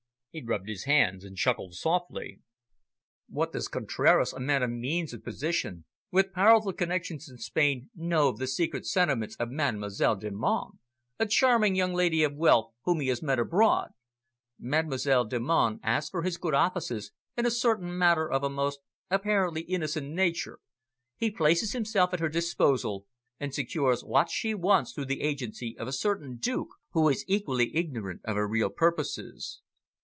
He rubbed his hands and chuckled softly. "What does Contraras, a man of means and position, with powerful connections in Spain, know of the secret sentiments of Mademoiselle Delmonte, a charming young lady of wealth, whom he has met abroad? Mademoiselle Delmonte asks for his good offices in a certain matter of a most, apparently, innocent nature. He places himself at her disposal, and secures what she wants through the agency of a certain Duke who is equally ignorant of her real purposes."